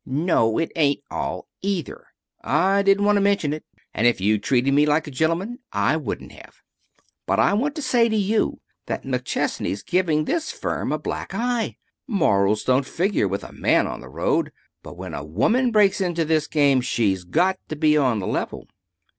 "No, it ain't all, either. I didn't want to mention it, and if you'd treated me like a gentleman, I wouldn't have. But I want to say to you that McChesney's giving this firm a black eye. Morals don't figure with a man on the road, but when a woman breaks into this game, she's got to be on the level."